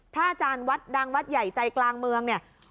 อาจารย์วัดดังวัดใหญ่ใจกลางเมืองเนี่ย